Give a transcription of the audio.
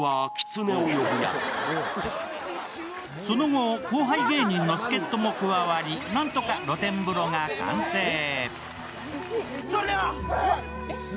その後、後輩芸人の助っとも加わり、何とか露天風呂が完成。